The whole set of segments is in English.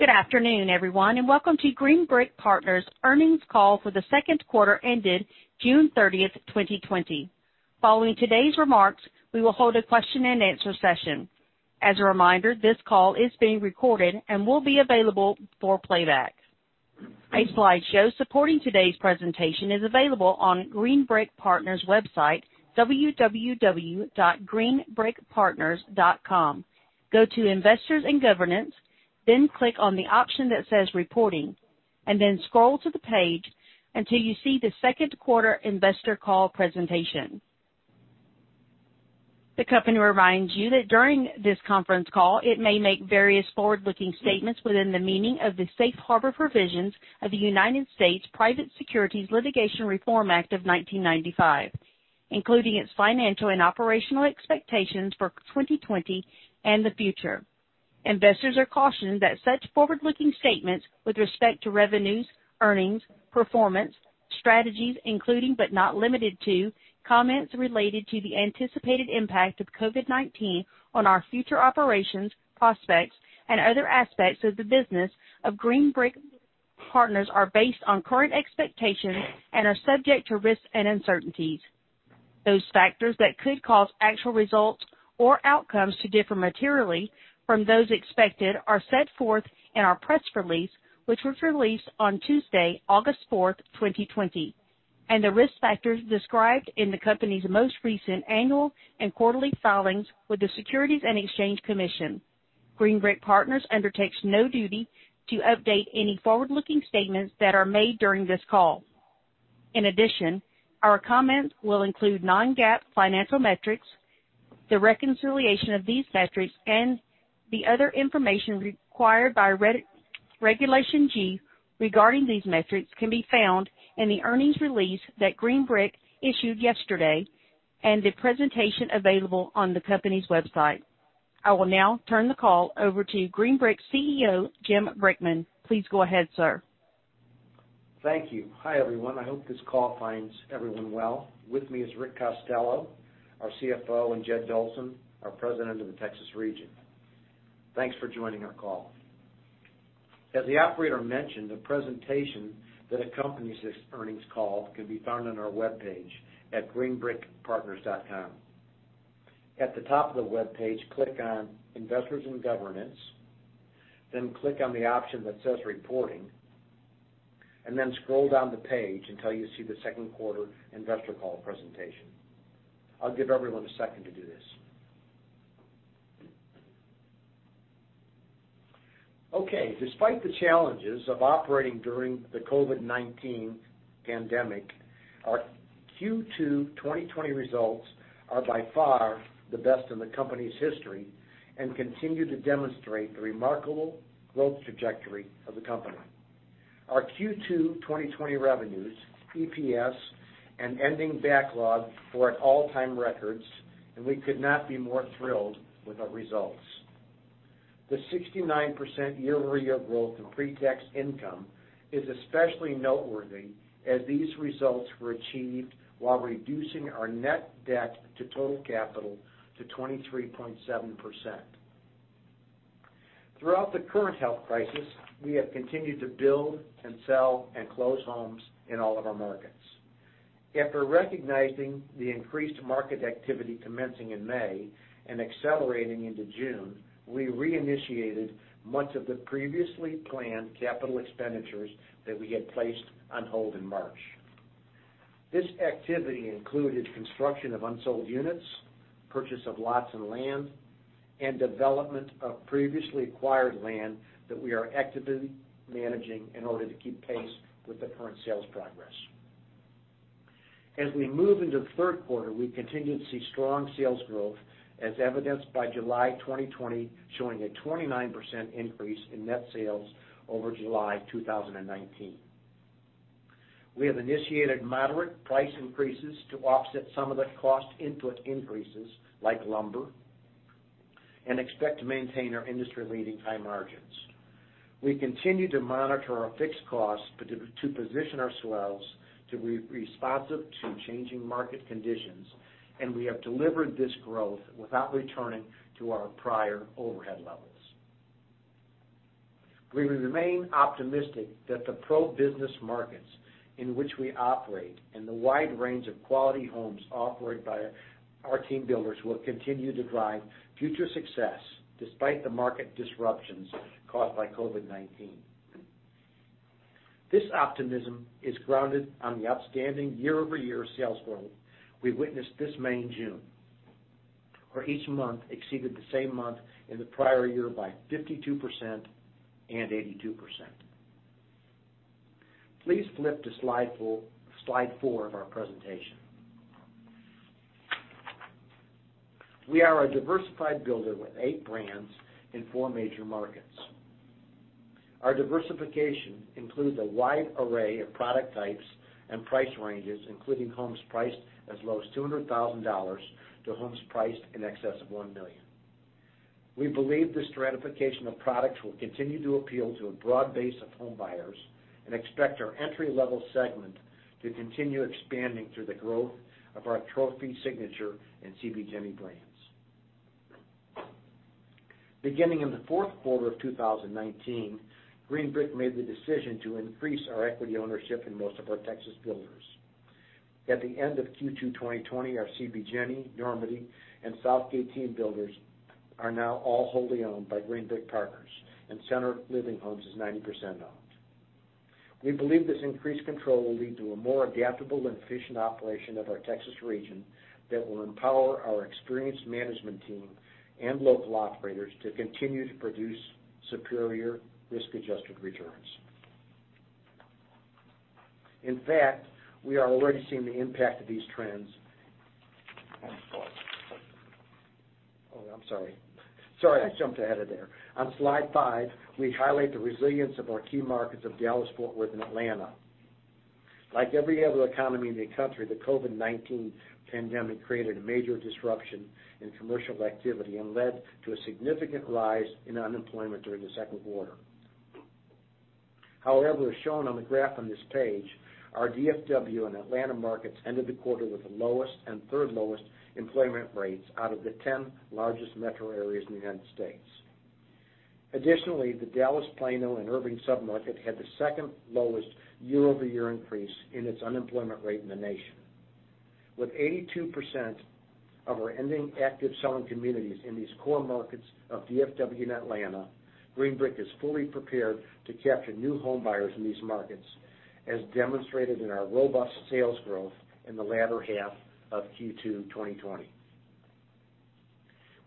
Good afternoon, everyone, and welcome to Green Brick Partners' earnings call for the second quarter ended June 30th, 2020. Following today's remarks, we will hold a question-and-answer session. As a reminder, this call is being recorded and will be available for playback. A slideshow supporting today's presentation is available on Green Brick Partners' website, www.greenbrickpartners.com. Go to Investors and Governance, then click on the option that says Reporting, and then scroll to the page until you see the second quarter investor call presentation. The company reminds you that during this conference call, it may make various forward-looking statements within the meaning of the safe harbor provisions of the United States Private Securities Litigation Reform Act of 1995, including its financial and operational expectations for 2020 and the future. Investors are cautioned that such forward-looking statements with respect to revenues, earnings, performance, strategies, including, but not limited to, comments related to the anticipated impact of COVID-19 on our future operations, prospects, and other aspects of the business of Green Brick Partners are based on current expectations and are subject to risks and uncertainties. Those factors that could cause actual results or outcomes to differ materially from those expected are set forth in our press release, which was released on Tuesday, August 4th, 2020, and the risk factors described in the company's most recent annual and quarterly filings with the Securities and Exchange Commission. Green Brick Partners undertakes no duty to update any forward-looking statements that are made during this call. In addition, our comments will include non-GAAP financial metrics. The reconciliation of these metrics and the other information required by Regulation G regarding these metrics can be found in the earnings release that Green Brick issued yesterday and the presentation available on the company's website. I will now turn the call over to Green Brick CEO, Jim Brickman. Please go ahead, sir. Thank you. Hi, everyone. I hope this call finds everyone well. With me is Rick Costello, our CFO, and Jed Dolson, our president of the Texas region. Thanks for joining our call. As the operator mentioned, the presentation that accompanies this earnings call can be found on our web page at greenbrickpartners.com. At the top of the web page, click on Investors and Governance, then click on the option that says Reporting, and then scroll down the page until you see the second quarter investor call presentation. I'll give everyone a second to do this. Okay. Despite the challenges of operating during the COVID-19 pandemic, our Q2 2020 results are by far the best in the company's history and continue to demonstrate the remarkable growth trajectory of the company. Our Q2 2020 revenues, EPS, and ending backlog were at all-time records, and we could not be more thrilled with our results. The 69% year-over-year growth in pre-tax income is especially noteworthy as these results were achieved while reducing our net debt to total capital to 23.7%. Throughout the current health crisis, we have continued to build and sell and close homes in all of our markets. After recognizing the increased market activity commencing in May and accelerating into June, we reinitiated much of the previously planned capital expenditures that we had placed on hold in March. This activity included construction of unsold units, purchase of lots and land, and development of previously acquired land that we are actively managing in order to keep pace with the current sales progress. As we move into the third quarter, we continue to see strong sales growth, as evidenced by July 2020 showing a 29% increase in net sales over July 2019. We have initiated moderate price increases to offset some of the cost input increases, like lumber, and expect to maintain our industry-leading high margins. We continue to monitor our fixed costs to position ourselves to be responsive to changing market conditions, and we have delivered this growth without returning to our prior overhead levels. We remain optimistic that the pro-business markets in which we operate and the wide range of quality homes operated by our team builders will continue to drive future success despite the market disruptions caused by COVID-19. This optimism is grounded on the outstanding year-over-year sales growth we witnessed this May and June, where each month exceeded the same month in the prior year by 52% and 82%. Please flip to slide four of our presentation. We are a diversified builder with eight brands in four major markets. Our diversification includes a wide array of product types and price ranges, including homes priced as low as $200,000 to homes priced in excess of $1 million. We believe this stratification of products will continue to appeal to a broad base of home buyers and expect our entry-level segment to continue expanding through the growth of our Trophy Signature and CB JENI brands. Beginning in the fourth quarter of 2019, Green Brick made the decision to increase our equity ownership in most of our Texas builders. At the end of Q2 2020, our CB JENI, Normandy, and Southgate team builders are now all wholly owned by Green Brick Partners, and Centre Living Homes is 90% owned. We believe this increased control will lead to a more adaptable and efficient operation of our Texas region that will empower our experienced management team and local operators to continue to produce superior risk-adjusted returns. In fact, we are already seeing the impact of these trends. Oh, I'm sorry. Sorry, I jumped ahead of there. On slide five, we highlight the resilience of our key markets of Dallas-Fort Worth, and Atlanta. Like every other economy in the country, the COVID-19 pandemic created a major disruption in commercial activity and led to a significant rise in unemployment during the second quarter. However, as shown on the graph on this page, our DFW and Atlanta markets ended the quarter with the lowest and third lowest unemployment rates out of the 10 largest metro areas in the United States. Additionally, the Dallas-Plano-Irving submarket had the second lowest year-over-year increase in its unemployment rate in the nation. With 82% of our ending active selling communities in these core markets of DFW and Atlanta, Green Brick is fully prepared to capture new home buyers in these markets, as demonstrated in our robust sales growth in the latter half of Q2 2020.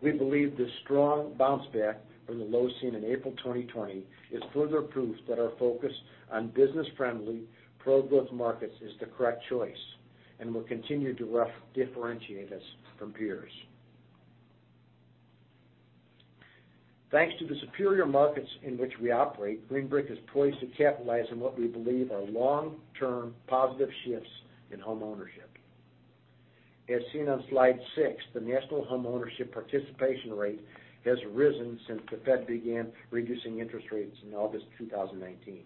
We believe this strong bounce back from the lows seen in April 2020 is further proof that our focus on business-friendly, pro-growth markets is the correct choice and will continue to differentiate us from peers. Thanks to the superior markets in which we operate, Green Brick has poised to capitalize on what we believe are long-term positive shifts in homeownership. As seen on slide six, the national homeownership participation rate has risen since the Fed began reducing interest rates in August 2019.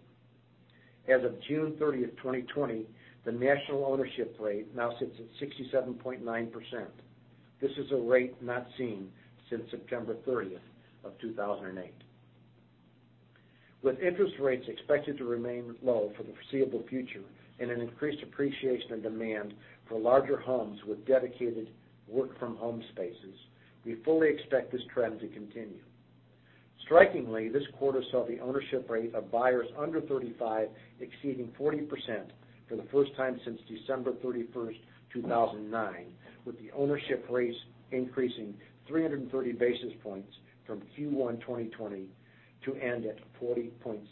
As of June 30th, 2020, the national ownership rate now sits at 67.9%. This is a rate not seen since September 30th of 2008. With interest rates expected to remain low for the foreseeable future and an increased appreciation of demand for larger homes with dedicated work-from-home spaces, we fully expect this trend to continue. Strikingly, this quarter saw the ownership rate of buyers under 35 exceeding 40% for the first time since December 31st, 2009, with the ownership rates increasing 330 basis points from Q1 2020 to end at 40.6%.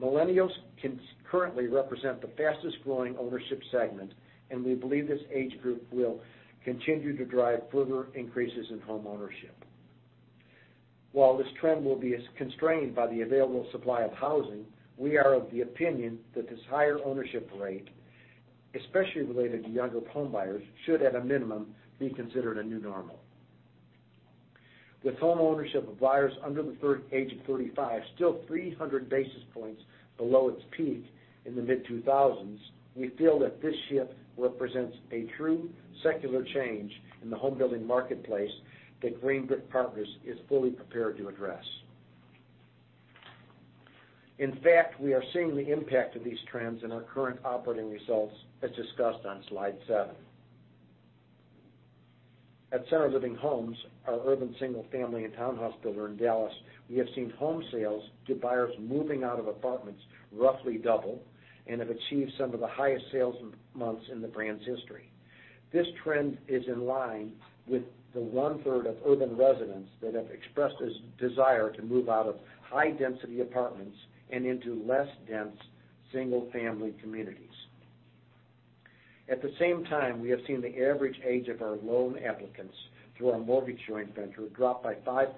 Millennials currently represent the fastest-growing ownership segment, and we believe this age group will continue to drive further increases in homeownership. While this trend will be constrained by the available supply of housing, we are of the opinion that this higher ownership rate, especially related to younger home buyers, should at a minimum be considered a new normal. With homeownership of buyers under the age of 35 still 300 basis points below its peak in the mid-2000s, we feel that this shift represents a true secular change in the homebuilding marketplace that Green Brick Partners is fully prepared to address. In fact, we are seeing the impact of these trends in our current operating results, as discussed on slide seven. At Centre Living Homes, our urban single-family and townhouse builder in Dallas, we have seen home sales to buyers moving out of apartments roughly double and have achieved some of the highest sales months in the brand's history. This trend is in line with the one-third of urban residents that have expressed a desire to move out of high-density apartments and into less dense single-family communities. At the same time, we have seen the average age of our loan applicants through our mortgage joint venture drop by 5%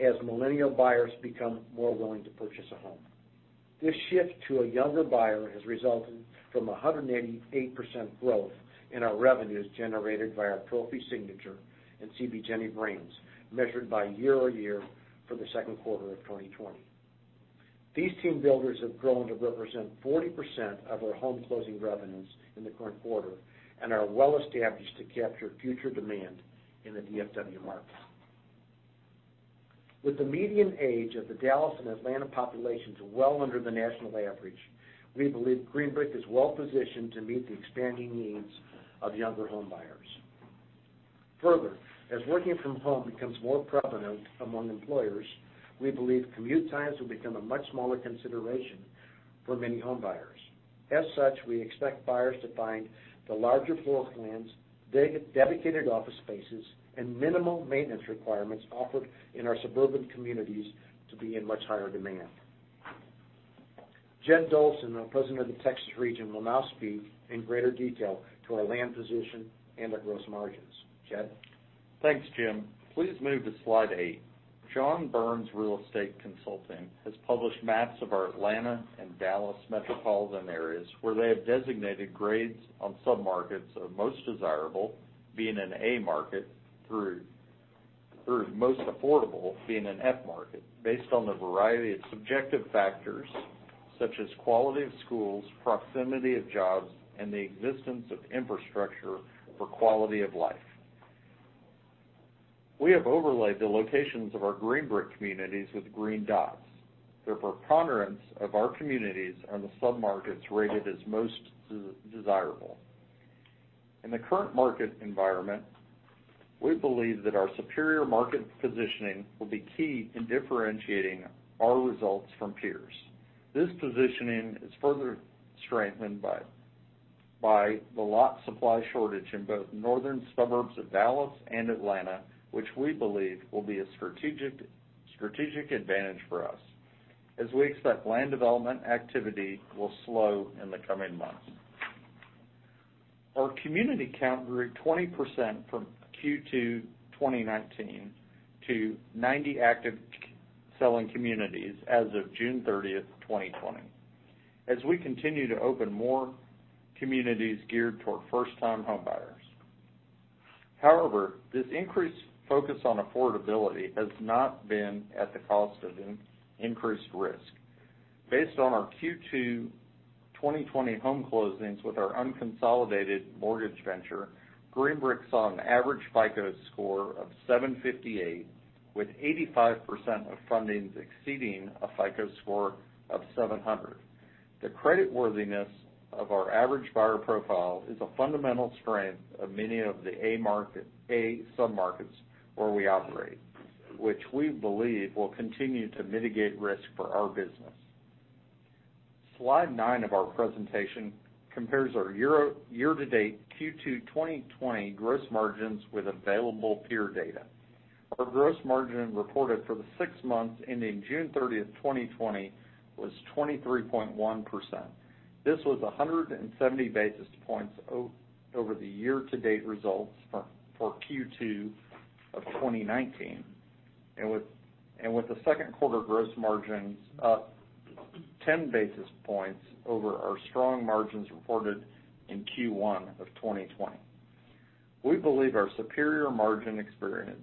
as millennial buyers become more willing to purchase a home. This shift to a younger buyer has resulted from 188% growth in our revenues generated by our Trophy Signature and CB JENI brands, measured by year-over-year for the second quarter of 2020. These team builders have grown to represent 40% of our home closing revenues in the current quarter and are well established to capture future demand in the DFW market. With the median age of the Dallas and Atlanta populations well under the national average, we believe Green Brick is well positioned to meet the expanding needs of younger home buyers. Further, as working from home becomes more prevalent among employers, we believe commute times will become a much smaller consideration for many home buyers. As such, we expect buyers to find the larger floor plans, dedicated office spaces, and minimal maintenance requirements offered in our suburban communities to be in much higher demand. Jed Dolson, our president of the Texas region, will now speak in greater detail to our land position and our gross margins. Jed? Thanks, Jim. Please move to slide eight. John Burns Real Estate Consulting has published maps of our Atlanta and Dallas metropolitan areas where they have designated grades on submarkets of most desirable, being an A market, through most affordable, being an F market, based on the variety of subjective factors such as quality of schools, proximity of jobs, and the existence of infrastructure for quality of life. We have overlaid the locations of our Green Brick communities with green dots. The preponderance of our communities are in the submarkets rated as most desirable. In the current market environment, we believe that our superior market positioning will be key in differentiating our results from peers. This positioning is further strengthened by the lot supply shortage in both northern suburbs of Dallas and Atlanta, which we believe will be a strategic advantage for us, as we expect land development activity will slow in the coming months. Our community count grew 20% from Q2 2019 to 90 active selling communities as of June 30th, 2020, as we continue to open more communities geared toward first-time home buyers. However, this increased focus on affordability has not been at the cost of increased risk. Based on our Q2 2020 home closings with our unconsolidated mortgage venture, Green Brick saw an average FICO score of 758, with 85% of fundings exceeding a FICO score of 700. The creditworthiness of our average buyer profile is a fundamental strength of many of the A submarkets where we operate, which we believe will continue to mitigate risk for our business. Slide nine of our presentation compares our year-to-date Q2 2020 gross margins with available peer data. Our gross margin reported for the six months ending June 30th, 2020, was 23.1%. This was 170 basis points over the year-to-date results for Q2 of 2019, and with the second quarter gross margins up 10 basis points over our strong margins reported in Q1 of 2020. We believe our superior margin experience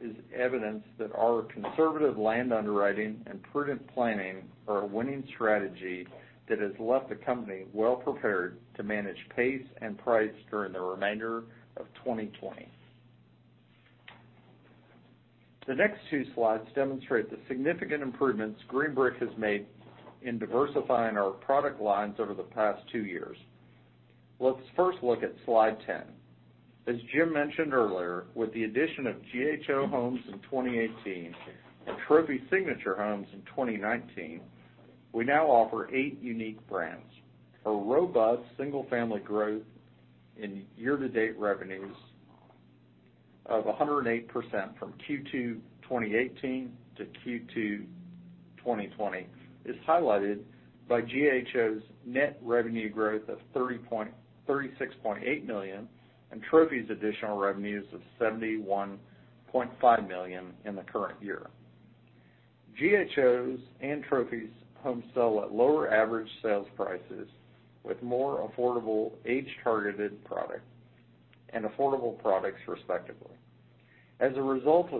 is evidence that our conservative land underwriting and prudent planning are a winning strategy that has left the company well prepared to manage pace and price during the remainder of 2020. The next two slides demonstrate the significant improvements Green Brick has made in diversifying our product lines over the past two years. Let's first look at slide 10. As Jim mentioned earlier, with the addition of GHO Homes in 2018 and Trophy Signature Homes in 2019, we now offer eight unique brands. Our robust single-family growth in year-to-date revenues of 108% from Q2 2018 to Q2 2020 is highlighted by GHO's net revenue growth of 36.8 million and Trophy's additional revenues of 71.5 million in the current year. GHO's and Trophy's home sell at lower average sales prices with more affordable age-targeted products and affordable products, respectively. As a result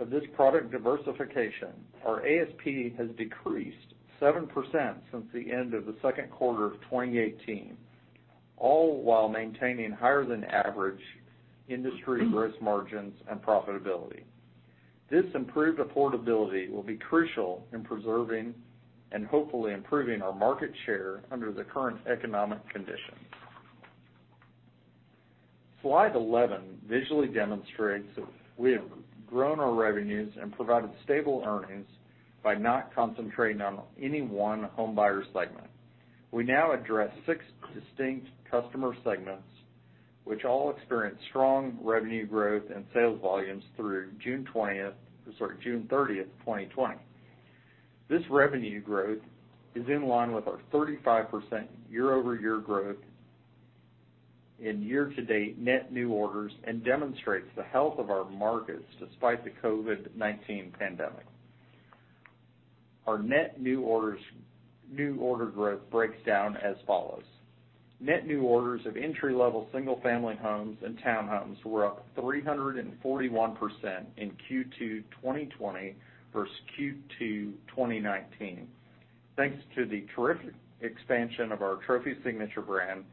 of this product diversification, our ASP has decreased 7% since the end of the second quarter of 2018, all while maintaining higher-than-average industry gross margins and profitability. This improved affordability will be crucial in preserving and hopefully improving our market share under the current economic conditions. Slide 11 visually demonstrates that we have grown our revenues and provided stable earnings by not concentrating on any one home buyer segment. We now address six distinct customer segments, which all experienced strong revenue growth and sales volumes through June 30th, 2020. This revenue growth is in line with our 35% year-over-year growth in year-to-date net new orders and demonstrates the health of our markets despite the COVID-19 pandemic. Our net new order growth breaks down as follows. Net new orders of entry-level single-family homes and townhomes were up 341% in Q2 2020 versus Q2 2019, thanks to the terrific expansion of our Trophy Signature brand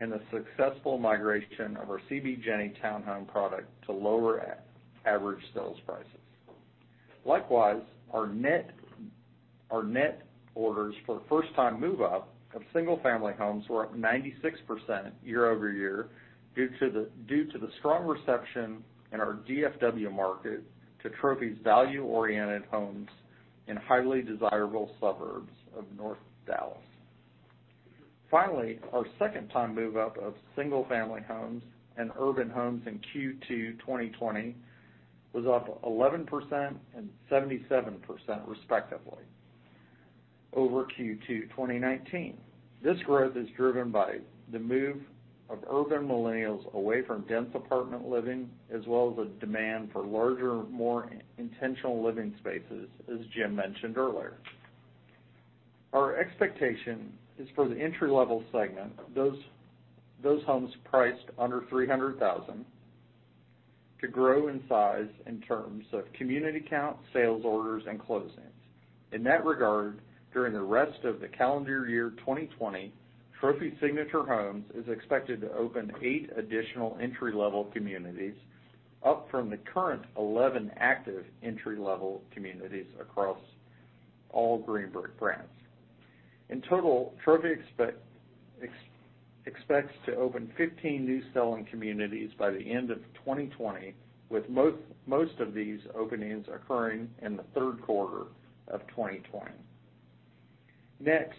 and the successful migration of our CB JENI townhome product to lower average sales prices. Likewise, our net orders for first-time move-up of single-family homes were up 96% year-over-year due to the strong reception in our DFW market to Trophy's value-oriented homes in highly desirable suburbs of North Dallas. Finally, our second-time move-up of single-family homes and urban homes in Q2 2020 was up 11% and 77%, respectively, over Q2 2019. This growth is driven by the move of urban millennials away from dense apartment living, as well as a demand for larger, more intentional living spaces, as Jim mentioned earlier. Our expectation is for the entry-level segment, those homes priced under 300,000, to grow in size in terms of community count, sales orders, and closings. In that regard, during the rest of the calendar year 2020, Trophy Signature Homes is expected to open eight additional entry-level communities, up from the current 11 active entry-level communities across all Green Brick brands. In total, Trophy expects to open 15 new selling communities by the end of 2020, with most of these openings occurring in the third quarter of 2020. Next,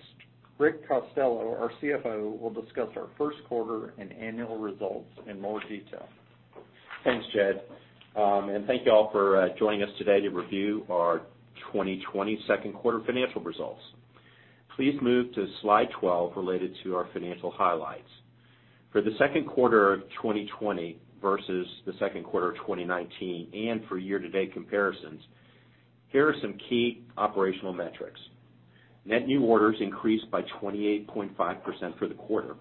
Rick Costello, our CFO, will discuss our first quarter and annual results in more detail. Thanks, Jed. And thank you all for joining us today to review our 2020 second quarter financial results. Please move to slide 12 related to our financial highlights. For the second quarter of 2020 versus the second quarter of 2019, and for year-to-date comparisons, here are some key operational metrics. Net new orders increased by 28.5% for the quarter.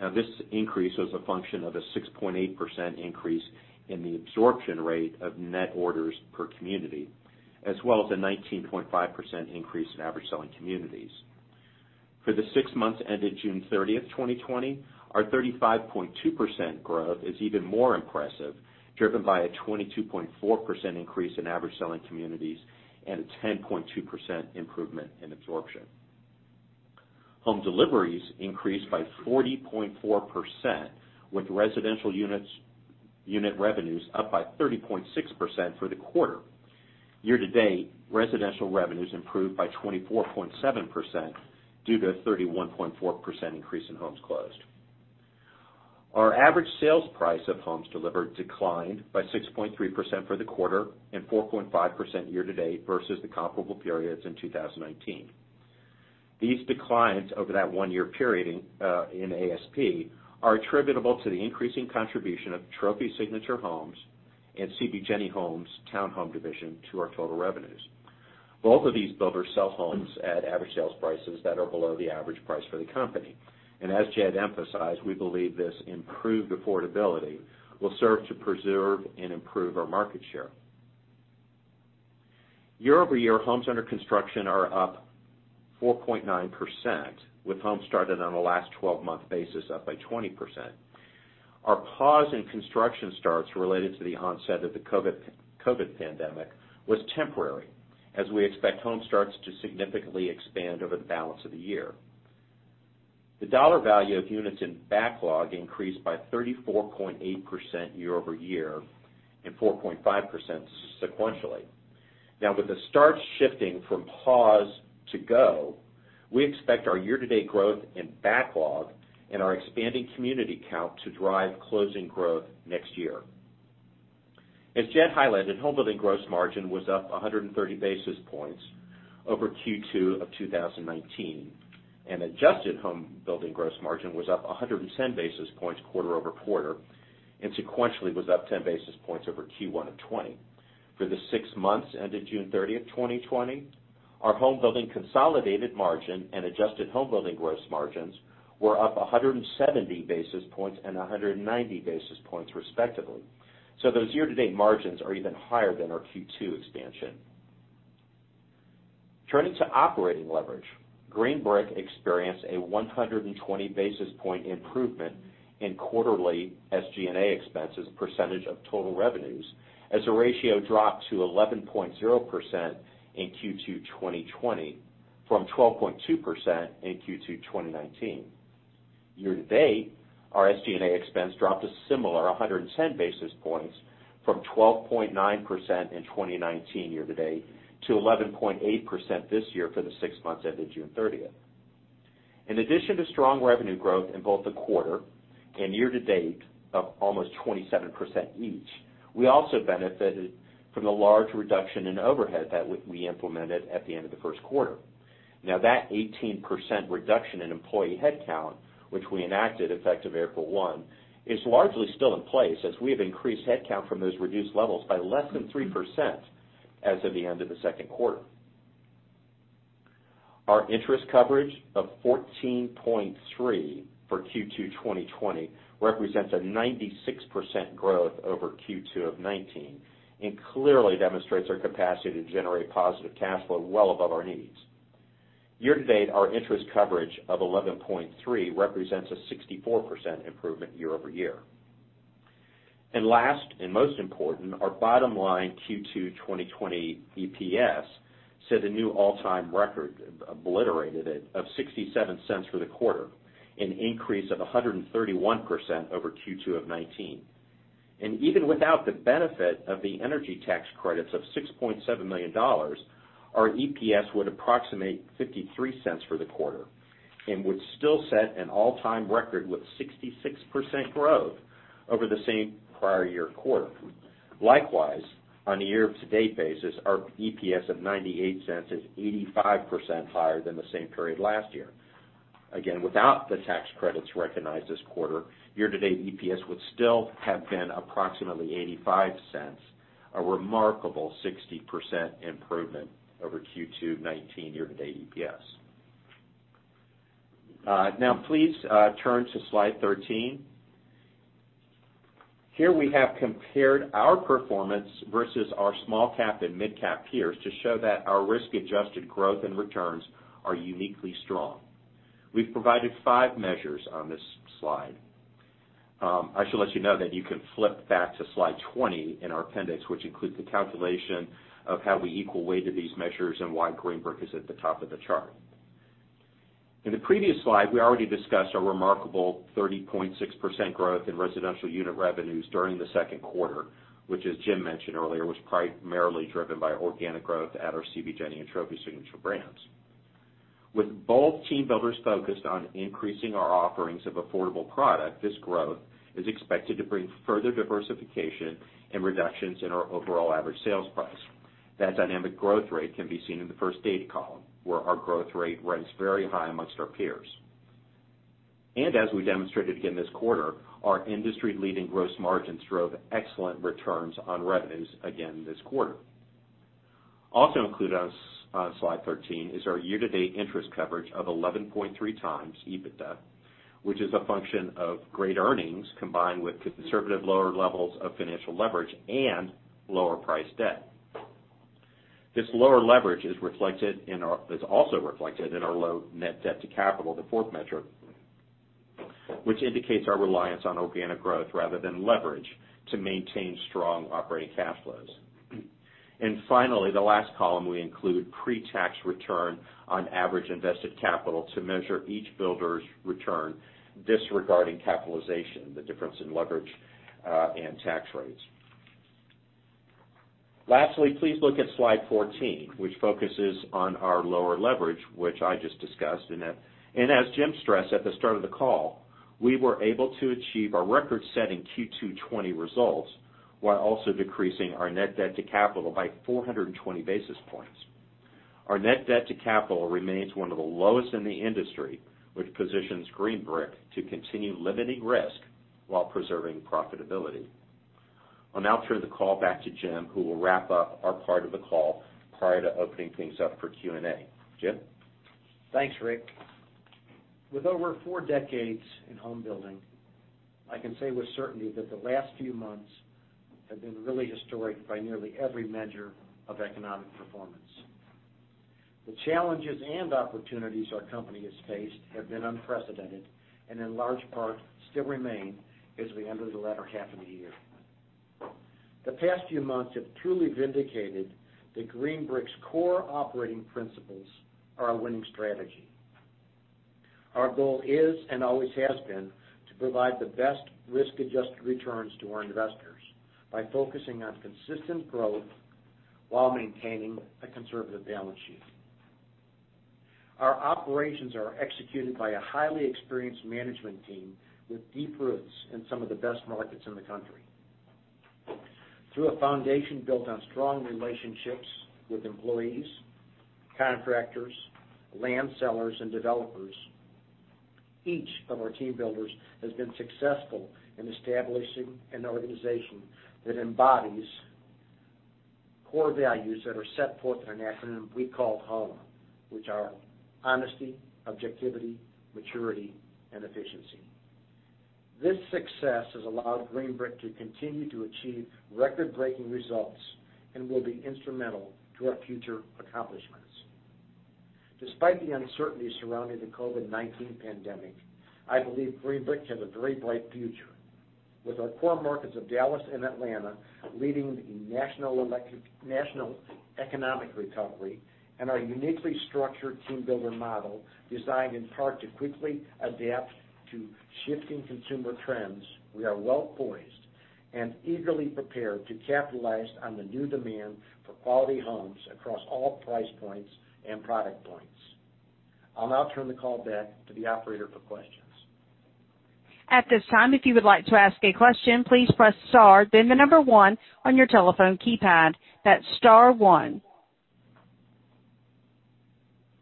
Now, this increase was a function of a 6.8% increase in the absorption rate of net orders per community, as well as a 19.5% increase in average selling communities. For the six months ended June 30th, 2020, our 35.2% growth is even more impressive, driven by a 22.4% increase in average selling communities and a 10.2% improvement in absorption. Home deliveries increased by 40.4%, with residential unit revenues up by 30.6% for the quarter. Year-to-date, residential revenues improved by 24.7% due to a 31.4% increase in homes closed. Our average sales price of homes delivered declined by 6.3% for the quarter and 4.5% year-to-date versus the comparable periods in 2019. These declines over that one-year period in ASP are attributable to the increasing contribution of Trophy Signature Homes and CB JENI Homes townhome division to our total revenues. Both of these builders sell homes at average sales prices that are below the average price for the company. And as Jed emphasized, we believe this improved affordability will serve to preserve and improve our market share. Year-over-year, homes under construction are up 4.9%, with homes started on a last 12-month basis up by 20%. Our pause in construction starts related to the onset of the COVID pandemic was temporary, as we expect home starts to significantly expand over the balance of the year. The dollar value of units in backlog increased by 34.8% year-over-year and 4.5% sequentially. Now, with the starts shifting from pause to go, we expect our year-to-date growth in backlog and our expanding community count to drive closing growth next year. As Jed highlighted, homebuilding gross margin was up 130 basis points over Q2 of 2019, and adjusted homebuilding gross margin was up 110 basis points quarter-over-quarter, and sequentially was up 10 basis points over Q1 of '20. For the six months ended June 30th, 2020, our homebuilding consolidated margin and adjusted homebuilding gross margins were up 170 basis points and 190 basis points, respectively. So those year-to-date margins are even higher than our Q2 expansion. Turning to operating leverage, Green Brick experienced a 120 basis point improvement in quarterly SG&A expenses percentage of total revenues, as the ratio dropped to 11.0% in Q2 2020 from 12.2% in Q2 2019. Year-to-date, our SG&A expense dropped a similar 110 basis points from 12.9% in 2019 year-to-date to 11.8% this year for the six months ended June 30th. In addition to strong revenue growth in both the quarter and year-to-date of almost 27% each, we also benefited from the large reduction in overhead that we implemented at the end of the first quarter. Now, that 18% reduction in employee headcount, which we enacted effective April 1, is largely still in place, as we have increased headcount from those reduced levels by less than 3% as of the end of the second quarter. Our interest coverage of 14.3 for Q2 2020 represents a 96% growth over Q2 of '19 and clearly demonstrates our capacity to generate positive cash flow well above our needs. Year-to-date, our interest coverage of 11.3 represents a 64% improvement year-over-year. And last and most important, our bottom line Q2 2020 EPS set a new all-time record, obliterated it, of 67 cents for the quarter, an increase of 131% over Q2 of '19. And even without the benefit of the energy tax credits of $6.7 million, our EPS would approximate 53 cents for the quarter and would still set an all-time record with 66% growth over the same prior year quarter. Likewise, on a year-to-date basis, our EPS of 98 cents is 85% higher than the same period last year. Again, without the tax credits recognized this quarter, year-to-date EPS would still have been approximately 85 cents, a remarkable 60% improvement over Q2 '19 year-to-date EPS. Now, please turn to slide 13. Here we have compared our performance versus our small-cap and mid-cap peers to show that our risk-adjusted growth and returns are uniquely strong. We've provided five measures on this slide. I should let you know that you can flip back to slide 20 in our appendix, which includes the calculation of how we equal-weighted these measures and why Green Brick is at the top of the chart. In the previous slide, we already discussed our remarkable 30.6% growth in residential unit revenues during the second quarter, which, as Jim mentioned earlier, was primarily driven by organic growth at our CB JENI and Trophy Signature brands. With both team builders focused on increasing our offerings of affordable product, this growth is expected to bring further diversification and reductions in our overall average sales price. That dynamic growth rate can be seen in the first data column, where our growth rate ranks very high amongst our peers. And as we demonstrated again this quarter, our industry-leading gross margins drove excellent returns on revenues again this quarter. Also included on slide 13 is our year-to-date interest coverage of 11.3 times EBITDA, which is a function of great earnings combined with conservative lower levels of financial leverage and lower price debt. This lower leverage is also reflected in our low net debt to capital, the fourth metric, which indicates our reliance on organic growth rather than leverage to maintain strong operating cash flows. And finally, the last column, we include pre-tax return on average invested capital to measure each builder's return disregarding capitalization, the difference in leverage and tax rates. Lastly, please look at slide 14, which focuses on our lower leverage, which I just discussed. And as Jim stressed at the start of the call, we were able to achieve our record-setting Q2 '20 results while also decreasing our net debt to capital by 420 basis points. Our net debt to capital remains one of the lowest in the industry, which positions Green Brick to continue limiting risk while preserving profitability. I'll now turn the call back to Jim, who will wrap up our part of the call prior to opening things up for Q&A. Jim? Thanks, Rick. With over four decades in homebuilding, I can say with certainty that the last few months have been really historic by nearly every measure of economic performance. The challenges and opportunities our company has faced have been unprecedented and, in large part, still remain as we enter the latter half of the year. The past few months have truly vindicated that Green Brick's core operating principles are a winning strategy. Our goal is and always has been to provide the best risk-adjusted returns to our investors by focusing on consistent growth while maintaining a conservative balance sheet. Our operations are executed by a highly experienced management team with deep roots in some of the best markets in the country. Through a foundation built on strong relationships with employees, contractors, land sellers, and developers, each of our team builders has been successful in establishing an organization that embodies core values that are set forth in an acronym we call HOME, which are honesty, objectivity, maturity, and efficiency. This success has allowed Green Brick to continue to achieve record-breaking results and will be instrumental to our future accomplishments. Despite the uncertainty surrounding the COVID-19 pandemic, I believe Green Brick has a very bright future. With our core markets of Dallas and Atlanta leading the national economic recovery and our uniquely structured team builder model designed in part to quickly adapt to shifting consumer trends, we are well poised and eagerly prepared to capitalize on the new demand for quality homes across all price points and product points. I'll now turn the call back to the operator for questions. At this time, if you would like to ask a question, please press star, then the number one on your telephone keypad. That's star one.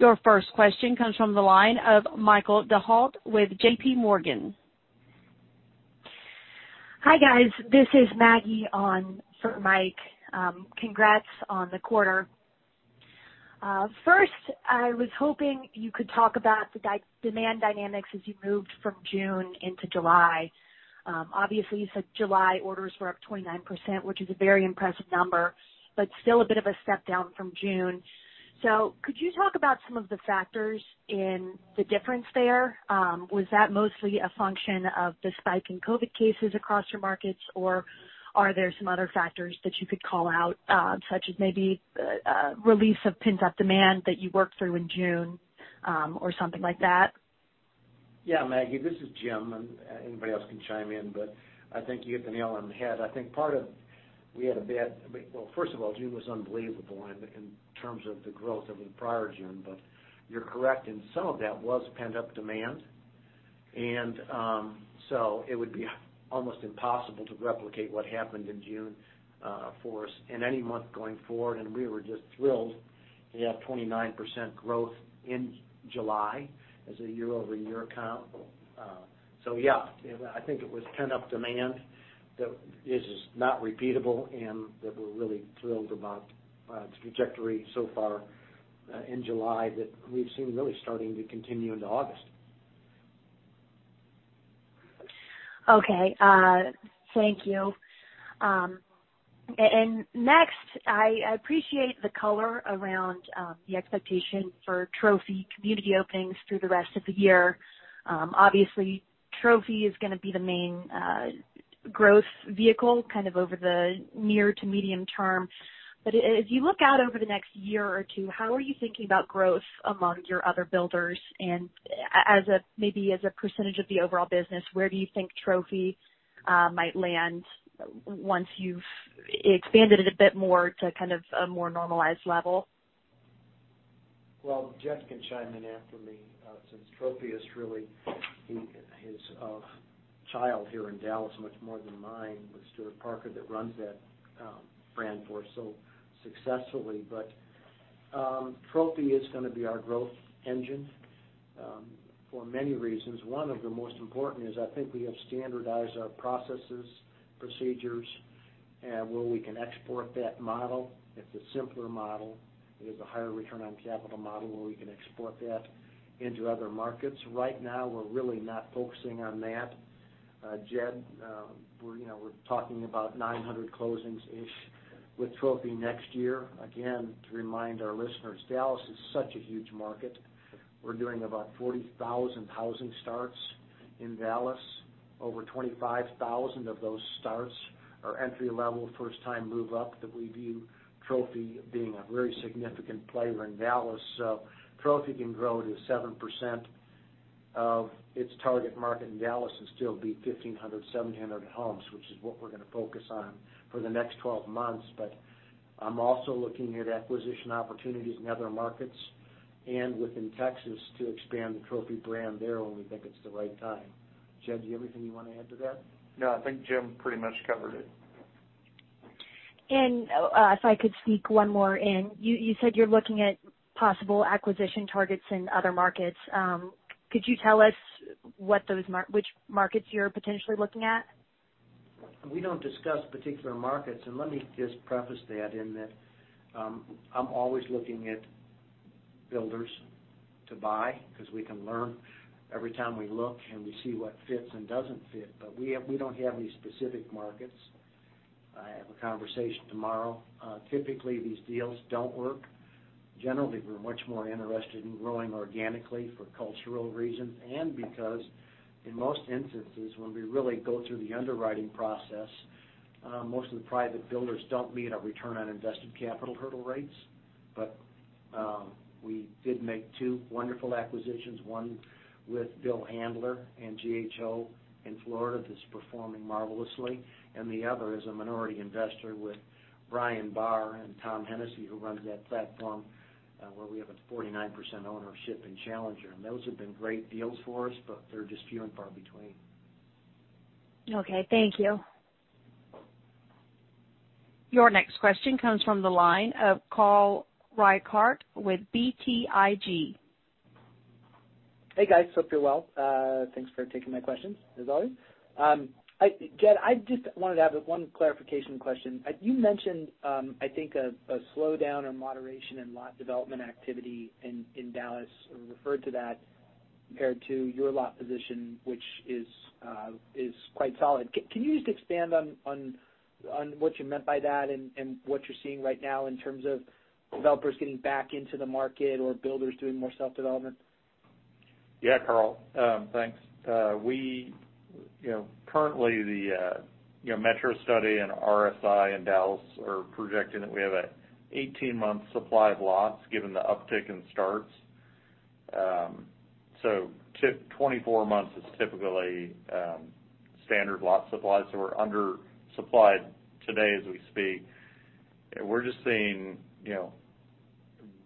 Your first question comes from the line of Michael Rehaut with JP Morgan. Hi, guys. This is Maggie on for Mike. Congrats on the quarter. First, I was hoping you could talk about the demand dynamics as you moved from June into July. Obviously, you said July orders were up 29%, which is a very impressive number, but still a bit of a step down from June. So could you talk about some of the factors in the difference there? Was that mostly a function of the spike in COVID cases across your markets, or are there some other factors that you could call out, such as maybe a release of pent-up demand that you worked through in June or something like that? Yeah, Maggie, this is Jim. Anybody else can chime in, but I think you hit the nail on the head. I think part of we had a bad well, first of all, June was unbelievable in terms of the growth of the prior June, but you're correct, and some of that was pent-up demand. And so it would be almost impossible to replicate what happened in June for us in any month going forward. And we were just thrilled to have 29% growth in July as a year-over-year count. So yeah, I think it was pent-up demand that is not repeatable and that we're really thrilled about the trajectory so far in July that we've seen really starting to continue into August. Okay. Thank you. And next, I appreciate the color around the expectation for Trophy community openings through the rest of the year. Obviously, Trophy is going to be the main growth vehicle kind of over the near to medium term. But as you look out over the next year or two, how are you thinking about growth among your other builders? And maybe as a percentage of the overall business, where do you think Trophy might land once you've expanded it a bit more to kind of a more normalized level? Well, Jed can chime in after me since Trophy is really his child here in Dallas, much more than mine, with Stewart Parker that runs that brand for us so successfully. But Trophy is going to be our growth engine for many reasons. One of the most important is I think we have standardized our processes, procedures, where we can export that model. It's a simpler model. It is a higher return on capital model where we can export that into other markets. Right now, we're really not focusing on that. Jed, we're talking about 900 closings-ish with Trophy next year. Again, to remind our listeners, Dallas is such a huge market. We're doing about 40,000 housing starts in Dallas. Over 25,000 of those starts are entry-level first-time move-up that we view Trophy being a very significant player in Dallas. So Trophy can grow to 7% of its target market in Dallas and still be 1,500, 1,700 homes, which is what we're going to focus on for the next 12 months. But I'm also looking at acquisition opportunities in other markets and within Texas to expand the Trophy brand there, and we think it's the right time. Jed, do you have anything you want to add to that? No, I think Jim pretty much covered it. And if I could sneak one more in, you said you're looking at possible acquisition targets in other markets. Could you tell us which markets you're potentially looking at? We don't discuss particular markets. And let me just preface that in that I'm always looking at builders to buy because we can learn every time we look and we see what fits and doesn't fit. But we don't have any specific markets. I have a conversation tomorrow. Typically, these deals don't work. Generally, we're much more interested in growing organically for cultural reasons and because, in most instances, when we really go through the underwriting process, most of the private builders don't meet our return on invested capital hurdle rates. But we did make two wonderful acquisitions, one with Bill Handler and GHO in Florida that's performing marvelously, and the other is a minority investor with Brian Bahr and Tom Hennessy, who runs that platform where we have a 49% ownership in Challenger. And those have been great deals for us, but they're just few and far between. Okay. Thank you. Your next question comes from the line of Carl Reichardt with BTIG. Hey, guys. Hope you're well. Thanks for taking my questions, as always. Jed, I just wanted to have one clarification question. You mentioned, I think, a slowdown or moderation in lot development activity in Dallas or referred to that compared to your lot position, which is quite solid. Can you just expand on what you meant by that and what you're seeing right now in terms of developers getting back into the market or builders doing more self-development? Yeah, Carl. Thanks. Currently, the Metrostudy and RSI in Dallas are projecting that we have an 18-month supply of lots given the uptick in starts. So 24 months is typically standard lot supply. So we're undersupplied today as we speak. We're just seeing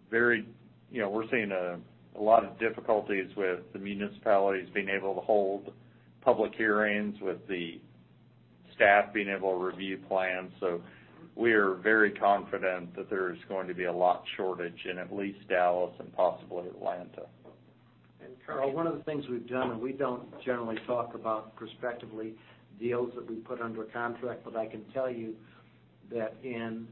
very we're seeing a lot of difficulties with the municipalities being able to hold public hearings with the staff being able to review plans. So we are very confident that there is going to be a lot shortage in at least Dallas and possibly Atlanta. And Carl, one of the things we've done, and we don't generally talk about prospectively deals that we put under contract, but I can tell you that in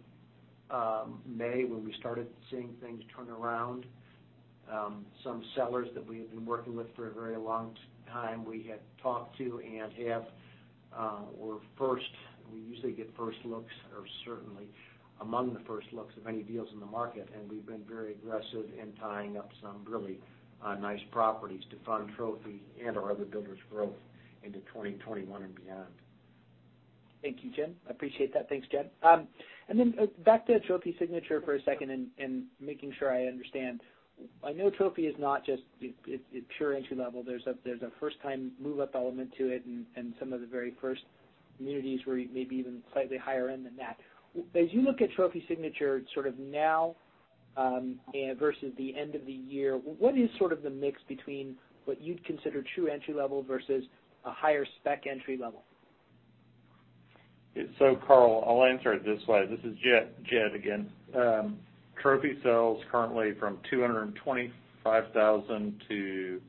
May, when we started seeing things turn around, some sellers that we had been working with for a very long time, we had talked to and have were first. We usually get first looks or certainly among the first looks of any deals in the market. And we've been very aggressive in tying up some really nice properties to fund Trophy and our other builders' growth into 2021 and beyond. Thank you, Jim. I appreciate that. Thanks, Jed. And then back to Trophy Signature for a second and making sure I understand. I know Trophy is not just pure entry level. There's a first-time move-up element to it and some of the very first communities where maybe even slightly higher end than that. As you look at Trophy Signature sort of now versus the end of the year, what is sort of the mix between what you'd consider true entry level versus a higher spec entry level? So Carl, I'll answer it this way. This is Jed again. Trophy sells currently from 225,000 to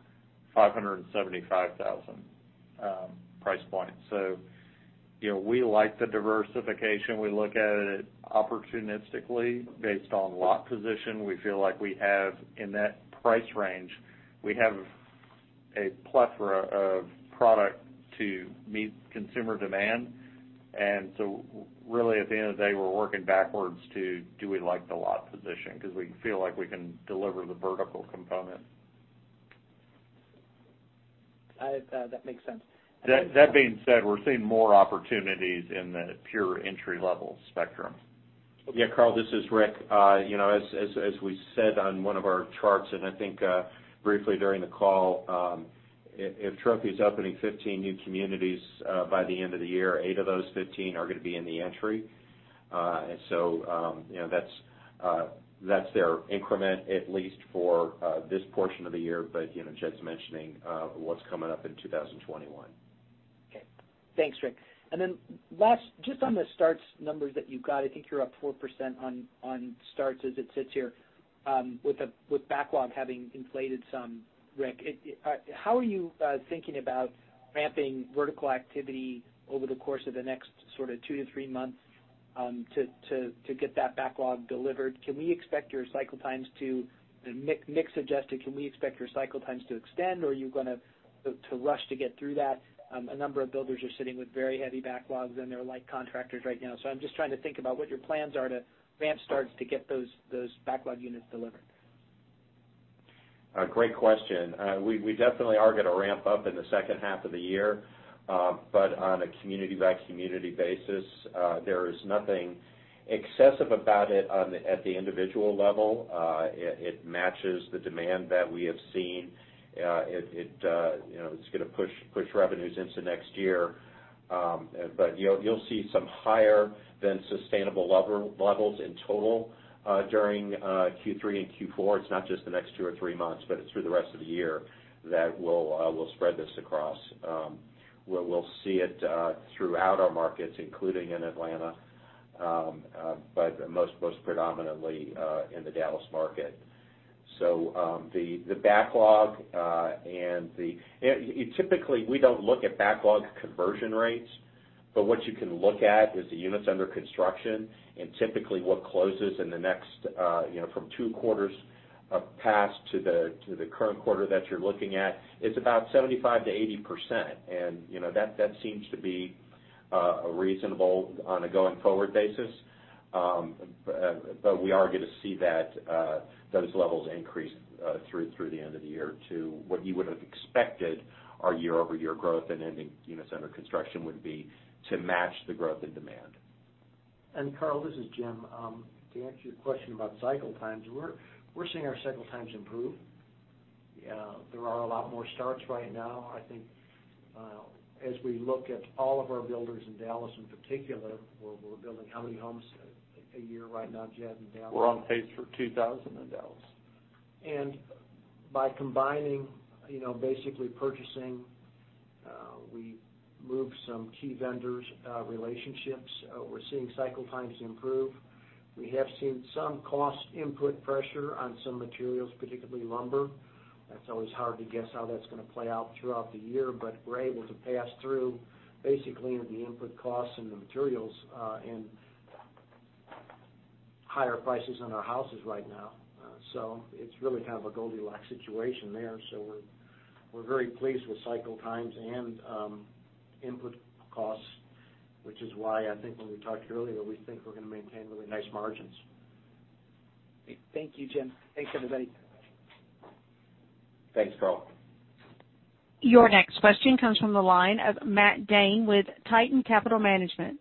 575,000 price point. So we like the diversification. We look at it opportunistically based on lot position. We feel like we have in that price range, we have a plethora of product to meet consumer demand. And so really, at the end of the day, we're working backwards to do we like the lot position because we feel like we can deliver the vertical component. That makes sense. That being said, we're seeing more opportunities in the pure entry-level spectrum. Yeah, Carl, this is Rick. As we said on one of our charts, and I think briefly during the call, if Trophy is opening 15 new communities by the end of the year, eight of those 15 are going to be in the entry. And so that's their increment, at least for this portion of the year, but Jed's mentioning what's coming up in 2021. Okay. Thanks, Rick. And then last, just on the starts numbers that you've got, I think you're up 4% on starts as it sits here. With backlog having inflated some, Rick, how are you thinking about ramping vertical activity over the course of the next sort of two to three months to get that backlog delivered? Can we expect your cycle times to mix adjusted? Can we expect your cycle times to extend, or are you going to rush to get through that? A number of builders are sitting with very heavy backlogs, and they're like contractors right now. So I'm just trying to think about what your plans are to ramp starts to get those backlog units delivered. Great question. We definitely are going to ramp up in the second half of the year, but on a community-by-community basis, there is nothing excessive about it at the individual level. It matches the demand that we have seen. It's going to push revenues into next year. But you'll see some higher than sustainable levels in total during Q3 and Q4. It's not just the next two or three months, but it's through the rest of the year that we'll spread this across. We'll see it throughout our markets, including in Atlanta, but most predominantly in the Dallas market. So the backlog and the typically, we don't look at backlog conversion rates, but what you can look at is the units under construction. And typically, what closes in the next from two quarters past to the current quarter that you're looking at is about 75 to 80%. And that seems to be reasonable on a going forward basis. But we are going to see those levels increase through the end of the year to what you would have expected our year-over-year growth in units under construction would be to match the growth in demand. And Carl, this is Jim. To answer your question about cycle times, we're seeing our cycle times improve. There are a lot more starts right now. I think as we look at all of our builders in Dallas in particular, we're building how many homes a year right now, Jed, in Dallas? We're on pace for 2,000 in Dallas. And by combining basically purchasing, we moved some key vendors' relationships. We're seeing cycle times improve. We have seen some cost input pressure on some materials, particularly lumber. That's always hard to guess how that's going to play out throughout the year, but we're able to pass through basically into the input costs and the materials and higher prices on our houses right now. So it's really kind of a Goldilocks situation there. So we're very pleased with cycle times and input costs, which is why I think when we talked earlier, we think we're going to maintain really nice margins. Thank you, Jim. Thanks, everybody. Thanks, Carl. Your next question comes from the line of Matt Dhane with Titan Capital Management.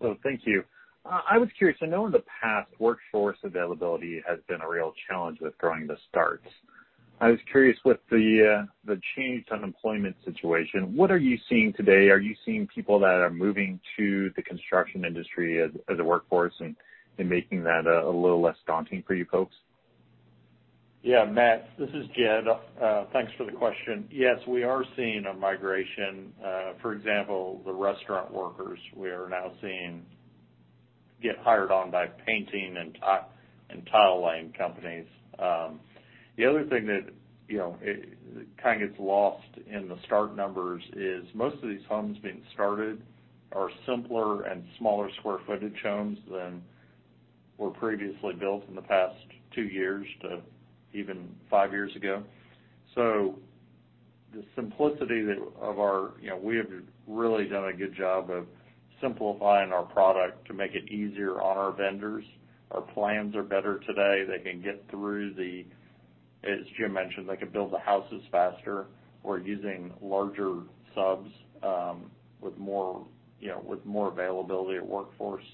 Hello. Thank you. I was curious. I know in the past, workforce availability has been a real challenge with growing the starts. I was curious with the change to unemployment situation. What are you seeing today? Are you seeing people that are moving to the construction industry as a workforce and making that a little less daunting for you folks? Yeah, Matt. This is Jed. Thanks for the question. Yes, we are seeing a migration. For example, the restaurant workers, we are now seeing get hired on by painting and tile laying companies. The other thing that kind of gets lost in the start numbers is most of these homes being started are simpler and smaller square footage homes than were previously built in the past two years to even five years ago. So the simplicity of our we have really done a good job of simplifying our product to make it easier on our vendors. Our plans are better today. They can get through the, as Jim mentioned, they can build the houses faster. We're using larger subs with more availability of workforce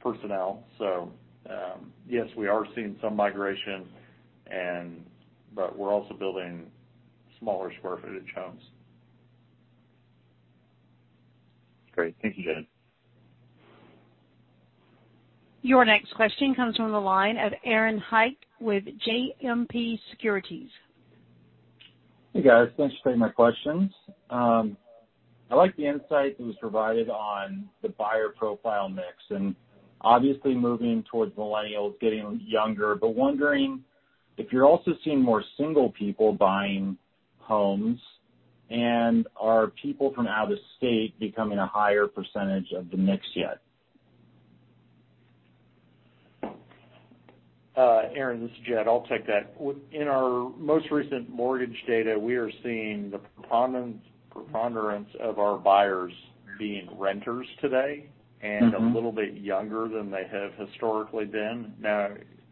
personnel. So yes, we are seeing some migration, but we're also building smaller square footage homes. Great. Thank you, Jed. Your next question comes from the line of Aaron Hecht with JMP Securities. Hey, guys. Thanks for taking my questions. I like the insight that was provided on the buyer profile mix and obviously moving towards millennials, getting younger, but wondering if you're also seeing more single people buying homes and are people from out of state becoming a higher percentage of the mix yet? Aaron, this is Jed. I'll take that. In our most recent mortgage data, we are seeing the preponderance of our buyers being renters today and a little bit younger than they have historically been. Now,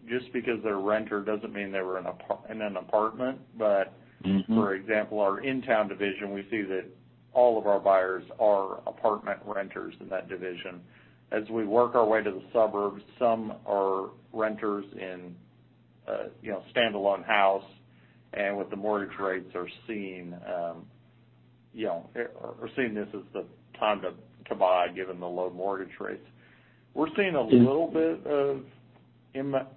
just because they're renter doesn't mean they were in an apartment, but for example, our in-town division, we see that all of our buyers are apartment renters in that division. As we work our way to the suburbs, some are renters in standalone house, and with the mortgage rates, are seeing this as the time to buy given the low mortgage rates. We're seeing a little bit of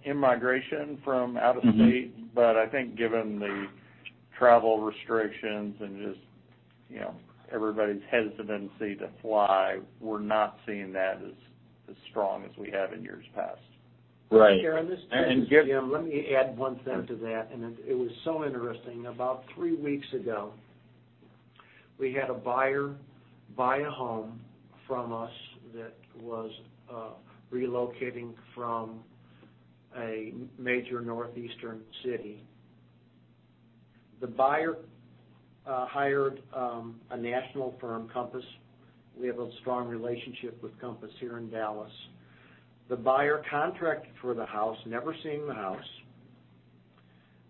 immigration from out of state, but I think given the travel restrictions and just everybody's hesitancy to fly, we're not seeing that as strong as we have in years past. Right. And Jim, let me add one thing to that. And it was so interesting. About three weeks ago, we had a buyer buy a home from us that was relocating from a major northeastern city. The buyer hired a national firm, Compass. We have a strong relationship with Compass here in Dallas. The buyer contracted for the house, never seeing the house.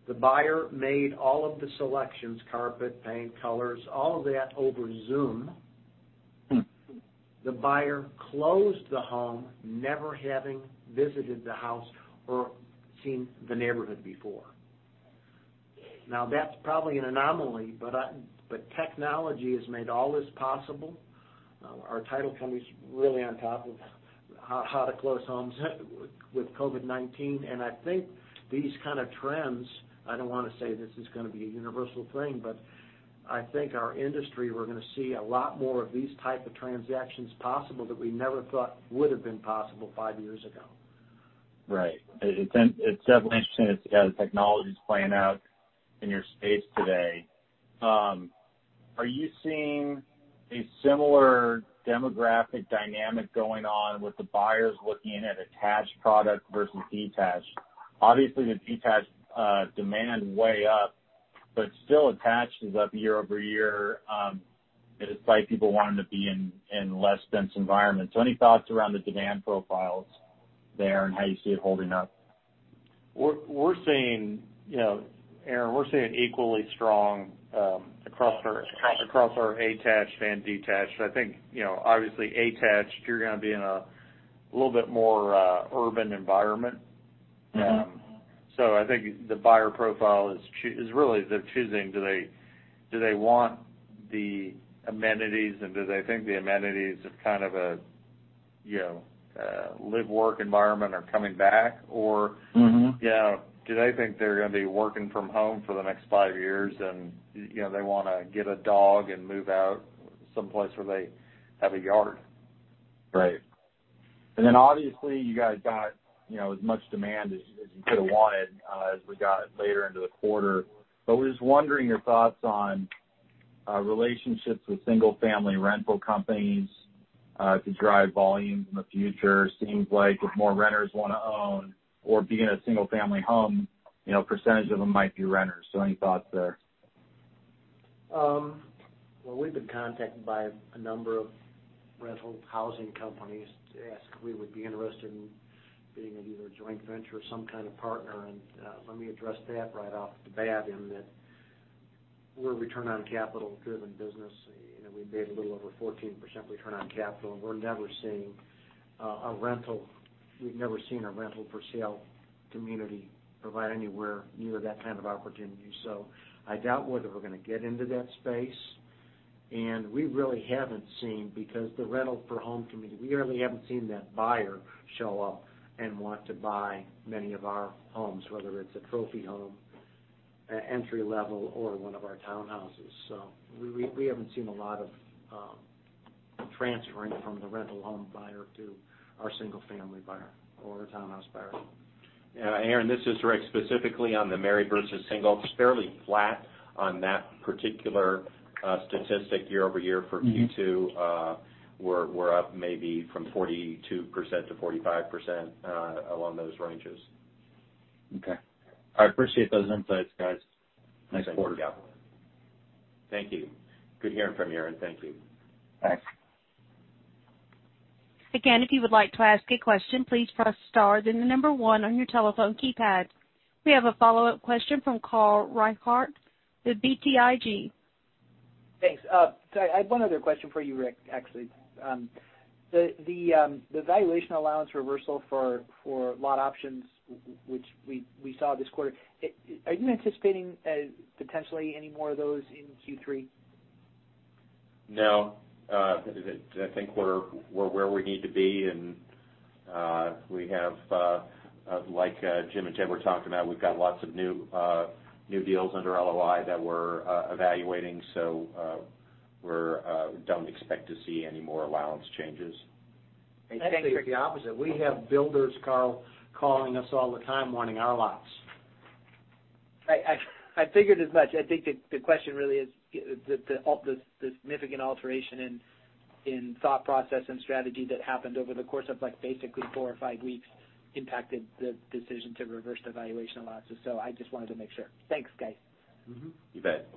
The buyer made all of the selections: carpet, paint, colors, all of that over Zoom. The buyer closed the home, never having visited the house or seen the neighborhood before. Now, that's probably an anomaly, but technology has made all this possible. Our title company is really on top of how to close homes with COVID-19. And I think these kind of trends—I don't want to say this is going to be a universal thing—but I think our industry, we're going to see a lot more of these types of transactions possible that we never thought would have been possible five years ago. Right. It's definitely interesting to see how the technology is playing out in your space today. Are you seeing a similar demographic dynamic going on with the buyers looking at attached product versus detached? Obviously, the detached demand way up, but still attached is up year-over-year. It is like people wanting to be in less dense environments. So any thoughts around the demand profiles there and how you see it holding up? We're seeing, Aaron, we're seeing an equally strong across our attached and detached. I think obviously attached, you're going to be in a little bit more urban environment. So I think the buyer profile is really they're choosing. Do they want the amenities and do they think the amenities of kind of a live-work environment are coming back? Or do they think they're going to be working from home for the next five years and they want to get a dog and move out someplace where they have a yard? Right. And then obviously, you guys got as much demand as you could have wanted as we got later into the quarter. But we're just wondering your thoughts on relationships with single-family rental companies to drive volume in the future. Seems like if more renters want to own or be in a single-family home, a percentage of them might be renters. So any thoughts there? Well, we've been contacted by a number of rental housing companies to ask if we would be interested in being a joint venture or some kind of partner. And let me address that right off the bat in that we're a return-on-capital-driven business. We made a little over 14% return on capital. We're never seeing a rental—we've never seen a rental-for-sale community provide anywhere near that kind of opportunity. So I doubt whether we're going to get into that space. And we really haven't seen because the rental-for-home community, we really haven't seen that buyer show up and want to buy many of our homes, whether it's a Trophy home, entry-level, or one of our townhouses. So we haven't seen a lot of transferring from the rental home buyer to our single-family buyer or our townhouse buyer. Yeah. Aaron, this is Rick. Specifically on the married versus single, fairly flat on that particular statistic year-over-year for Q2. We're up maybe from 42% to 45% along those ranges. Okay. I appreciate those insights, guys. Next quarter. Thank you. Good hearing from Aaron. Thank you. Thanks. Again, if you would like to ask a question, please press star then the number one on your telephone keypad. We have a follow-up question from Carl Reichardt, the BTIG. Thanks. Sorry, I had one other question for you, Rick, actually. The valuation allowance reversal for lot options, which we saw this quarter, are you anticipating potentially any more of those in Q3? No. I think we're where we need to be. We have, like Jim and Jed were talking about, we've got lots of new deals under LOI that we're evaluating. We do not expect to see any more allowance changes. I think the opposite. We have builders, Carl, calling us all the time wanting our lots. I figured as much. I think the question really is the significant alteration in thought process and strategy that happened over the course of basically four or five weeks impacted the decision to reverse the valuation allowances. So I just wanted to make sure. Thanks, guys. You bet.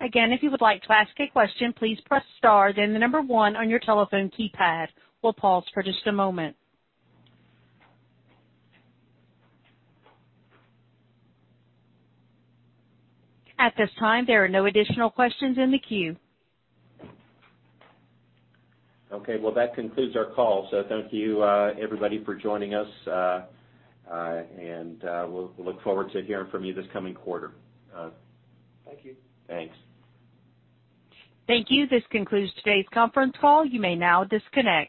Again, if you would like to ask a question, please press star then the number one on your telephone keypad. We'll pause for just a moment. At this time, there are no additional questions in the queue. Okay. Well, that concludes our call. So thank you, everybody, for joining us. And we'll look forward to hearing from you this coming quarter. Thank you. Thanks. Thank you. This concludes today's conference call. You may now disconnect.